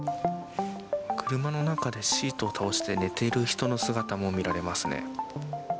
車の中でシートを倒して寝ている人の姿も見られますね。